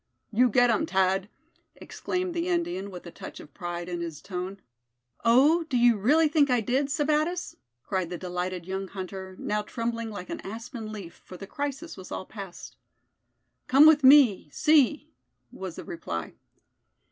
"You get um, Tad!" exclaimed the Indian, with a touch of pride in his tone. "Oh! do you really think I did, Sebattis?" cried the delighted young hunter, now trembling like an aspen leaf, for the crisis was all past. "Come with me; see!" was the reply.